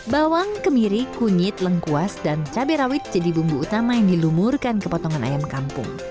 bawang kemiri kunyit lengkuas dan cabai rawit jadi bumbu utama yang dilumurkan ke potongan ayam kampung